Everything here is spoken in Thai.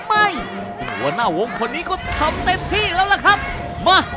แม่แม่แม่แม่แม่แม่แม่แม่